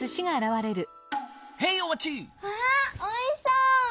わあおいしそう！